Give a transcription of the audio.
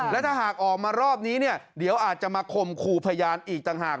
และถ้าหากออกมารอบนี้เนี่ยเดี๋ยวอาจจะมาข่มขู่พยานอีกต่างหาก